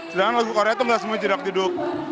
sedangkan lagu korea tuh nggak semuanya jerak jeduk